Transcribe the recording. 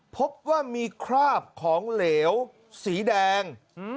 พบว่ามีคราบของเหลวสีแดง